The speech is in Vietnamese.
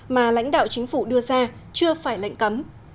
mà lãnh đạo chính phủ đưa ra chưa phải lệnh cấm